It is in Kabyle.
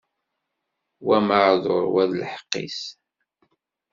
Wa meɛduṛ, wa d lḥeqq-is.